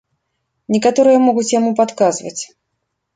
Некаторыя могуць яму падказваць.